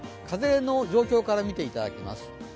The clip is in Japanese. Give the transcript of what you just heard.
風の状況から見ていただきます。